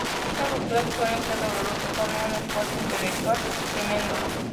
Esas rupturas suelen ser dolorosas, son un esfuerzo intelectual tremendo.